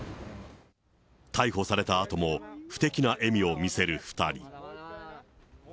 逮捕されたあとも不敵な笑みを見せる２人。